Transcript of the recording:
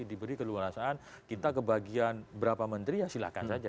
diberi kelelasan kita ke bagian berapa menteri ya silahkan saja